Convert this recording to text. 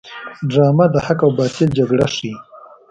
ډرامه د حق او باطل جګړه ښيي